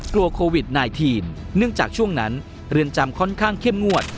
กลัวโควิด๑๙เนื่องจากช่วงนั้นเรือนจำค่อนข้างเข้มงวด